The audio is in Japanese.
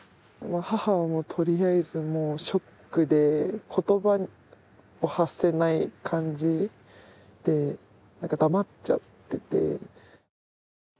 母はとりあえずショックで言葉を発せない感じで、何か黙っちゃってて。